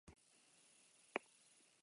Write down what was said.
Gaur igerilekura Joan nahi dut? Eta zuk?